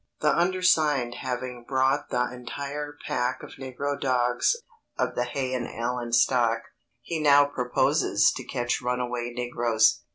The undersigned having bought the entire pack of Negro Dogs (of the Hay and Allen stock), he now proposes to catch runaway negroes.